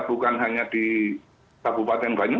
bukan hanya di kabupaten banyu